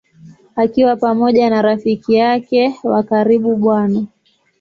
Akiwa pamoja na rafiki yake wa karibu Bw.